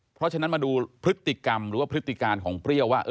เพราะฉะนั้นมาดูพฤติกรรมหรือว่าพฤติการของเปรี้ยวว่า